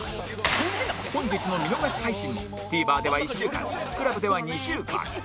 本日の見逃し配信も ＴＶｅｒ では１週間 ＣＬＵＢ では２週間